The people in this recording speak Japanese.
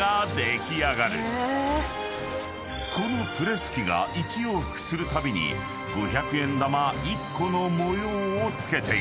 ［このプレス機が１往復するたびに５００円玉１個の模様を付けている］